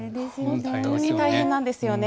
本当に大変なんですよね。